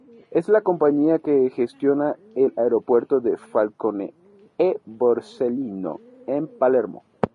Es la compañía que gestiona el aeropuerto de ""Falcone e Borsellino"" en Palermo.